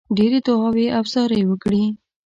ډېرې دعاوي او زارۍ وکړې.